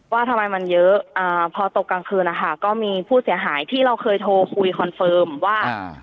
ว่าทำไมมันเยอะอ่าพอตกกลางคืนนะคะก็มีผู้เสียหายที่เราเคยโทรคุยคอนเฟิร์มว่าอ่า